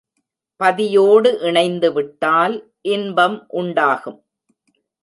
பதியோடு இணைந்துவிட்டால் இன்பம் உண்டாகும்.